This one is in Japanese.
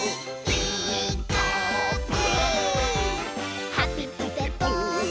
「ピーカーブ！」